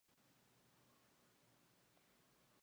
El aeropuerto "Tte.